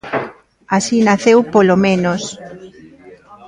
Así naceu, polo menos.